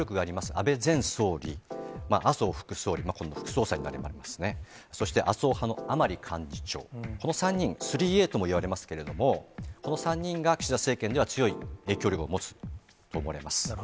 安倍前総理、麻生副総理、今度副総裁になりますね、そして麻生派の甘利幹事長、この３人、スリーＡともいわれますけれども、この３人が岸田政権では、強い影響力を持つと思われます。